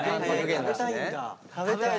食べたいんだ。